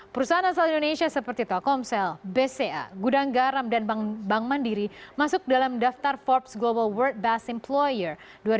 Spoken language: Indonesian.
perusahaan asal indonesia seperti telkomsel bca gudang garam dan bank mandiri masuk dalam daftar forbes global world best employer dua ribu dua puluh